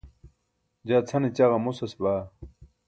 jaa cʰane ćaġa mosas baa